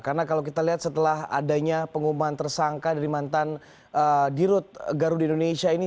karena kalau kita lihat setelah adanya pengumuman tersangka dari mantan dirut garuda indonesia ini